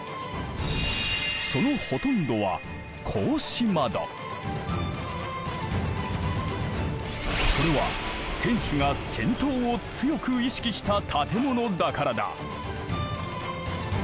そのほとんどはそれは天守が戦闘を強く意識した建物だからだ。